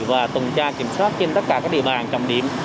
và tuần tra kiểm soát trên tất cả các địa bàn trọng điểm